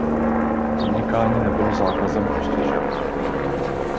Podnikání nebylo zákazem postiženo.